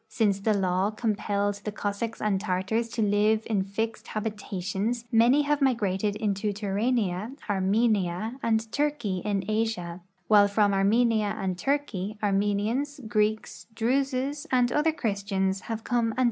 Since the law compelled the Cossacks and Tartars to live in fixed habitations many have migrated intoTurania, Armenia, and Turkey in Asia, while from Armenia and Turkey Armenians, Greeks, Druses, and other Christians have come and.'